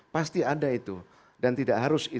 pasti ada itu dan tidak harus